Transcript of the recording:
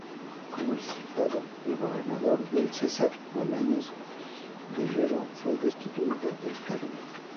Como resultado, el gobernador del Cesar, Bolaños Guerrero fue destituido del cargo.